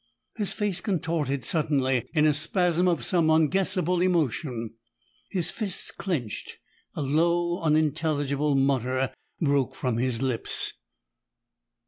His face contorted suddenly in a spasm of some unguessable emotion. His fists clenched; a low unintelligible mutter broke from his lips.